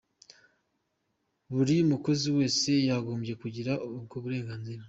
Buri mukozi wese yagombye kugira ubwo burenganzira.